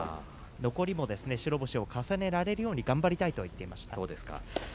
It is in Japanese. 残り、白星を重ねられるように頑張りたいという話をしています。